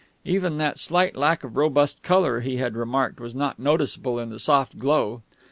Even that slight lack of robust colour he had remarked was not noticeable in the soft glow.